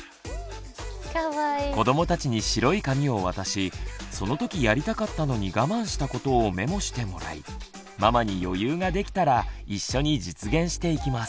子どもたちに白い紙を渡しそのときやりたかったのに我慢したことをメモしてもらいママに余裕ができたら一緒に実現していきます。